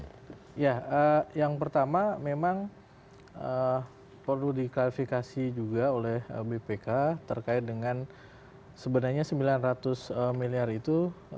ya yang pertama memang perlu diklarifikasi juga oleh bpk terkait dengan sebenarnya sembilan ratus miliar itu